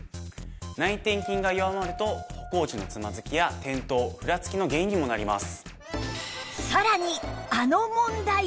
内転筋が弱まると歩行時のつまずきや転倒ふらつきの原因にもなります。